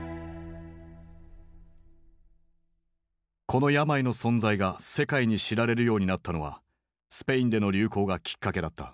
この病の存在が世界に知られるようになったのはスペインでの流行がきっかけだった。